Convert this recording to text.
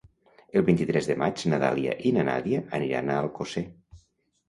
El vint-i-tres de maig na Dàlia i na Nàdia aniran a Alcosser.